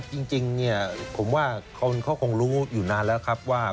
จริงเนี่ยผมว่าเขาคงรู้อยู่นานแล้วครับว่า